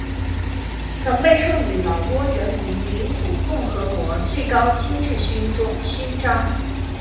曾被授予老挝人民民主共和国最高金质勋章。